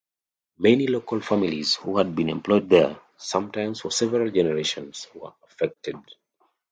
Many local families who had been employed there, sometimes for several generations, were affected.